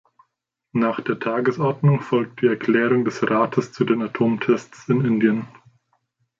Nach der Tagesordnung folgt die Erklärung des Rates zu den Atomtests in Indien.